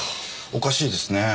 おかしいですねぇ。